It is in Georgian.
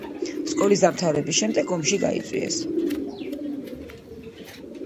სკოლის დამთავრების შემდეგ ომში გაიწვიეს.